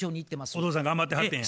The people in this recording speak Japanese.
お父さん頑張ってはってんや。